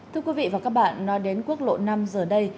thưa quý vị và các bạn nói đến quốc lộ năm giờ đây